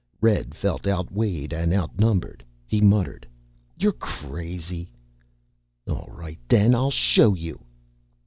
Red felt outweighed and outnumbered. He muttered, "You're crazy!" "All right, then. I'll show you."